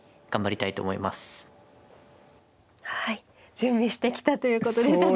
準備してきたということでしたね。